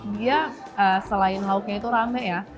dia selain lauknya itu rame ya